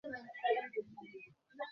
তারপর রুটি বানাই।